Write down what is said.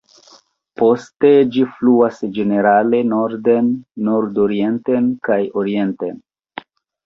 Poste ĝi fluas ĝenerale norden, nord-orienten kaj orienten.